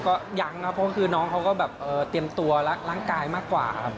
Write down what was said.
ก็ยังครับเพราะคือน้องเขาก็แบบเตรียมตัวร่างกายมากกว่าครับ